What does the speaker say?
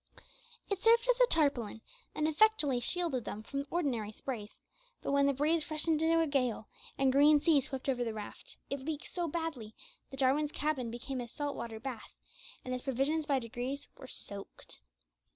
It served as a tarpaulin, and effectually shielded them from ordinary sprays, but when the breeze freshened to a gale, and green seas swept over the raft, it leaked so badly, that Jarwin's cabin became a salt water bath, and his provisions by degrees were soaked.